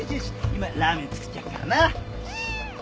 今ラーメン作ってやるからな。